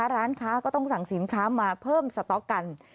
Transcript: ร้านค้าก็ต้องสั่งสินค้ามาเพิ่มสต๊อกกัน